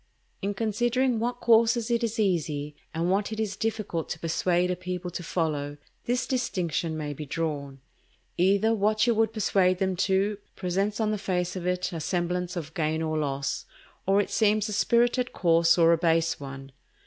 In considering what courses it is easy, and what it is difficult to persuade a people to follow, this distinction may be drawn: Either what you would persuade them to, presents on the face of it a semblance of gain or loss, or it seems a spirited course or a base one.